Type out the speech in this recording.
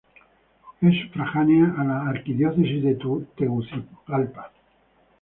Es sufragánea a la Arquidiócesis de Tegucigalpa.